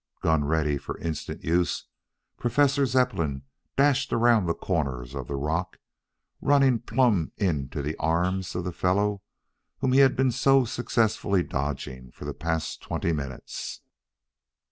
Gun ready for instant use, Professor Zepplin dashed around the corner of the rock, running plump into the arms of the fellow whom he had been so successfully dodging for the past twenty minutes.